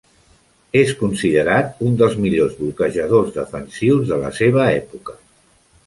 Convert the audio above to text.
És considerat un dels millors bloquejadors defensius de la seva època.